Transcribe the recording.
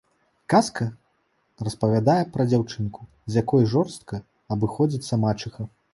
Казка распавядае пра дзяўчынку, з якой жорстка абыходзіцца мачыха.